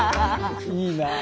いいなあ！